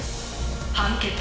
「判決。